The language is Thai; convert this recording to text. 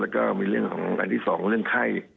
แล้วก็อันที่สองเรื่องไข้